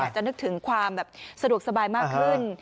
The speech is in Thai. จะนึกถึงความแบบสะดวกสบายมากขึ้น